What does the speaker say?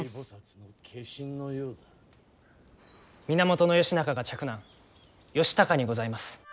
源義仲が嫡男義高にございます。